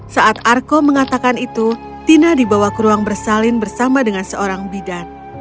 saat arko mengatakan itu tina dibawa ke ruang bersalin bersama dengan seorang bidan